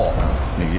右。